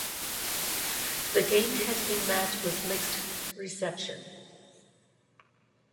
The game has been met with mixed reception.